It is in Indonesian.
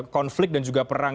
konflik dan juga perang